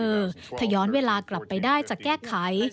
พิษพลาดของเธอทย้อนเวลากลับไปได้จะแก้ไข